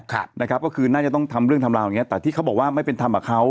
ทำเรื่องทำลาวอย่างเงี้ยแต่ที่เขาบอกว่าไม่เป็นทำกับเขา